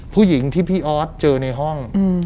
ผู้หญิงที่พี่ออสเจอในห้อง